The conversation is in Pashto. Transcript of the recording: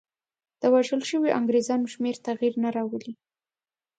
د وژل شویو انګرېزانو شمېر تغییر نه راولي.